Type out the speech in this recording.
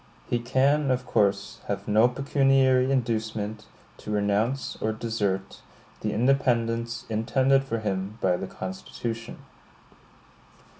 He can, of course, have no pecuniary inducement to renounce or desert the independence intended for him by the Constitution.